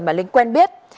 mà linh quen biết